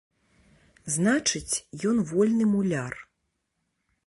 Значыць, ён вольны муляр.